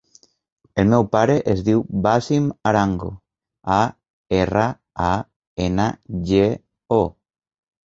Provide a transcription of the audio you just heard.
El meu pare es diu Wassim Arango: a, erra, a, ena, ge, o.